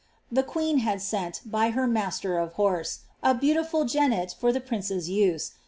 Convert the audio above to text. The qneen had sent, by her master of har#e, a beautiful genet for the princess use.